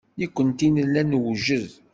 Nekkenti nella newjed.